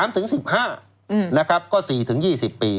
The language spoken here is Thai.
๑๓ถึง๑๕นะครับก็๔ถึง๒๐ปี